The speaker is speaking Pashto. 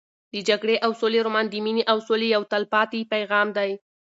د جګړې او سولې رومان د مینې او سولې یو تلپاتې پیغام دی.